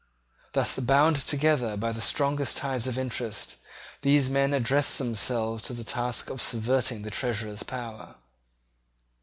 Thus hound together by the strongest ties of interest, these men addressed themselves to the task of subverting the Treasurer's power.